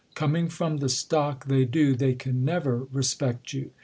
Coming from the stock they do, they can never respect you.